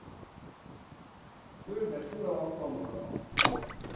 Földesura a kamara.